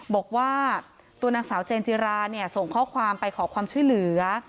บอกว่าตัวนางสาวเจนจิราเนี่ยส่งข้อความไปขอความช่วยเหลือ